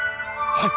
はい。